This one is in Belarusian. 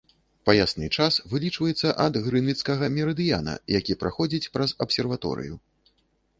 Паясны час вылічваецца ад грынвіцкага мерыдыяна, які праходзіць праз абсерваторыю.